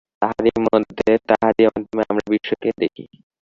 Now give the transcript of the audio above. তাঁহারই মধ্যে, তাঁহারই মাধ্যমে আমরা বিশ্বকে দেখি।